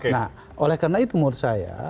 nah oleh karena itu menurut saya